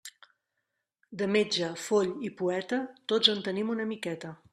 De metge, foll i poeta, tots en tenim una miqueta.